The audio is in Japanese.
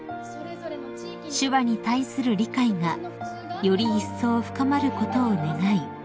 ［手話に対する理解がよりいっそう深まることを願い